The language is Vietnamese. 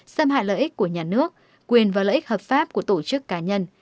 xâm hại lợi ích của nhà nước quyền và lợi ích hợp pháp của tổ chức cá nhân